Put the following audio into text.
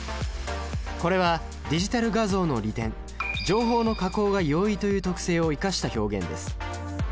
これはディジタル画像の利点情報の加工が容易という特性を生かした表現です。